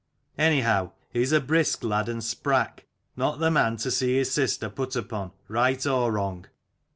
Anyhow he is a brisk lad and sprack, not the man to see his sister put upon, right or wrong.